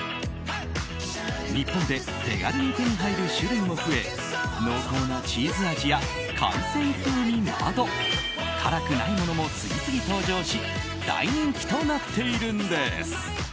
日本で手軽に手に入る種類も増え濃厚なチーズ味や海鮮風味など辛くないものも次々登場し大人気となっているんです。